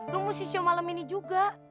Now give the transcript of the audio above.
lu musti show malam ini juga